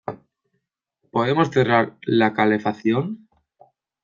¿Podemos cerrar la calefacción?